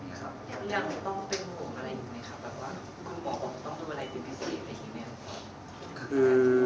คุณพ่อก็ต้องดูอะไรที่พิสิทธิ์ในที่นี้ครับ